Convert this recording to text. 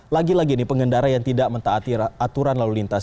lagi lagi ini pengendara yang tidak mentaati aturan lalu lintas